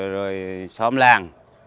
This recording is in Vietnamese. rồi xóm làng